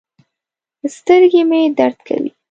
سترګې مې درد کوي